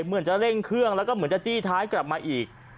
เหมือนจะเร่งเครื่องแล้วก็เหมือนจะจี้ท้ายกลับมาอีก